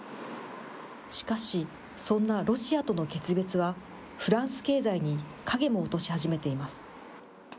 しかし、そんなロシアとの決別は、フランス経済に影も落とし始めています。